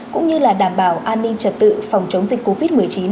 cũng như là đảm bảo an ninh trật tự phòng chống dịch covid một mươi chín